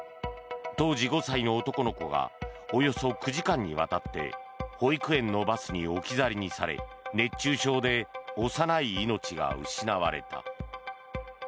当時５歳の男の子がおよそ９時間にわたって保育園のバスに置き去りにされ熱中症で幼い命が失われた。